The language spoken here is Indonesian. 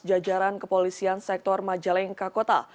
jajaran kepolisian sektor majalengka kota